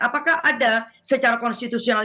apakah ada secara konstitusional